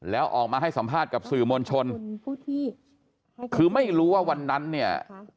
แล้วออกมาให้สัมภาษณ์กับสื่อมวลชนคือไม่รู้ว่าวันนั้นเนี่ย